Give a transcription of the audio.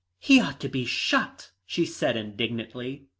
"He ought to be shot," she said indignantly.